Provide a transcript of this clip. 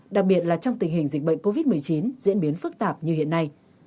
đặc biệt là trong tình hình dịch bệnh covid một mươi chín diễn biến phức tạp như hiện nay